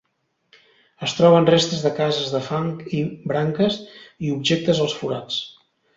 Es troben restes de cases de fang i branques, i objectes als forats.